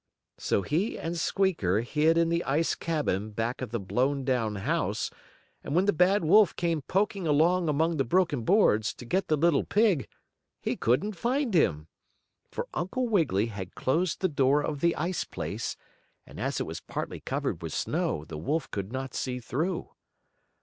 So he and Squeaker hid in the ice cabin back of the blown down house, and when the bad wolf came poking along among the broken boards, to get the little pig, he couldn't find him. For Uncle Wiggily had closed the door of the ice place, and as it was partly covered with snow the wolf could not see through.